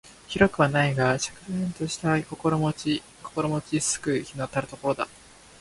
広くはないが瀟洒とした心持ち好く日の当たる所だ